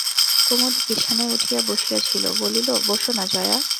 কুমুদ বিছানায় উঠিয়া বসিয়াছিল, বলিল, বোসো না জয়া।